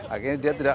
akhirnya dia tidak